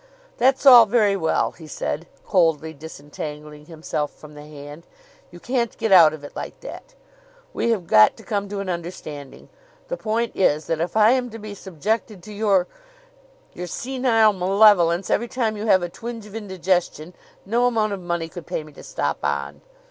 "That's all very well," he said, coldly disentangling himself from the hand. "You can't get out of it like that. We have got to come to an understanding. The point is that if I am to be subjected to your your senile malevolence every time you have a twinge of indigestion, no amount of money could pay me to stop on."